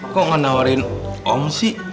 kok gak nawarin om sih